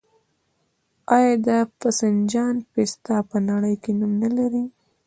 آیا د رفسنجان پسته په نړۍ کې نوم نلري؟